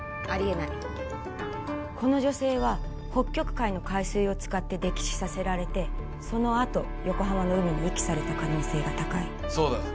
あり得ないこの女性は北極海の海水を使って溺死させられてそのあと横浜の海に遺棄された可能性が高いそうだ